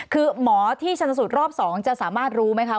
คือหมอที่ชนสูตรรอบ๒จะสามารถรู้ไหมคะ